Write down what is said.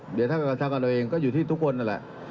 เดี๋ยวท่านก็สั่งกันเองก็อยู่ที่ทุกคนนั่นแหละ